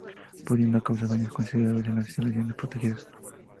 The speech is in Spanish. Pudiendo causar daños considerables en las instalaciones protegidas.